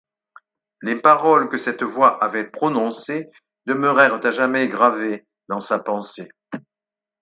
Les paroles que cette voix avait prononcées demeurèrent à jamais gravées dans sa pensée.